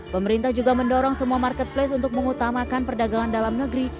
pemerintah juga mendorong semua marketplace untuk mengutamakan perdagangan dalam negeri